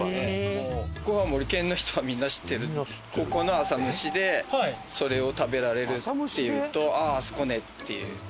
ここの浅虫でそれを食べられるっていうと「あああそこね！」っていう。